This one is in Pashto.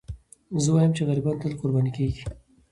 زه وایم چې غریبان تل قرباني کېږي.